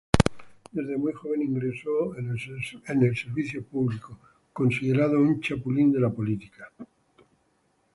Desde muy joven ingresó al servicio público, es considerada una chapulín de la política.